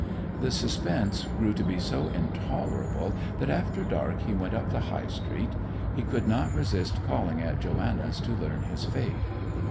The suspense grew to be so intolerable that after dark he went up the High Street. He could not resist calling at Joanna's to learn his fate.